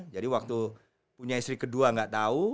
jadi waktu punya istri kedua gak tau